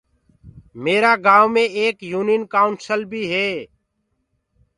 ميرآ گائونٚ مي ايڪ يونين ڪائونسل بي هي۔